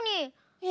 え！